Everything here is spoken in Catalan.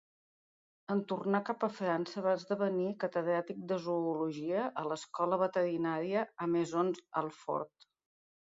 En tornar cap a França va esdevenir catedràtic de zoologia a l'Escola Veterinària a Maisons-Alfort.